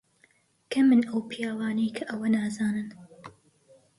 کەمن ئەو پیاوانەی کە ئەوە نازانن.